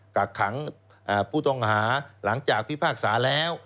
กักขังผู้ต้องหาหลังจากพิพากษาแล้ว